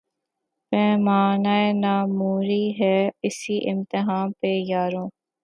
پیمان ء ناموری ہے، اسی امتحاں پہ یارو